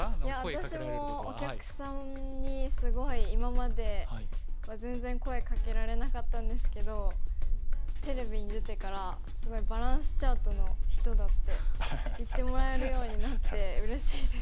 いや私もお客さんにすごい今までは全然声かけられなかったんですけどテレビに出てからすごい「バランスチャートの人だ」って言ってもらえるようになってうれしいですね。